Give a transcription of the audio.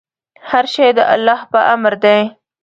هر شی د الله په امر دی.